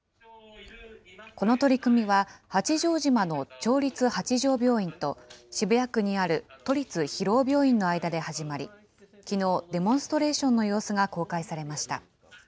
この取り組みは、八丈島の町立八丈病院と、渋谷区にある都立広尾病院の間で始まり、きのう、デモンストレーションの様子が公開されました。